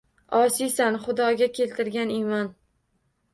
-Osiysan! Xudoga keltirgan imon!